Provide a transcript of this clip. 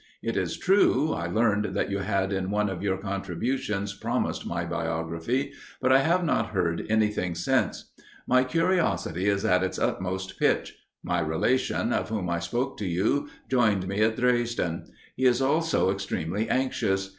It is true, I learned that you had in one of your contributions promised my biography, but I have not heard anything since. My curiosity is at its utmost pitch. My relation, of whom I spoke to you, joined me at Dresden; he is also extremely anxious.